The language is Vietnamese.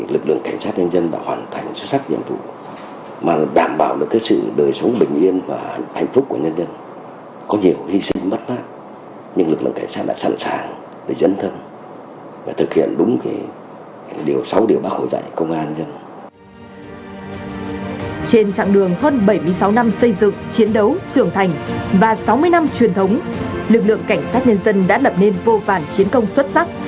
lực lượng cảnh sát nhân dân đã lập nên vô vàn chiến công xuất sắc